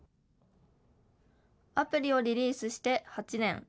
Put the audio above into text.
アプリをリリースして８年。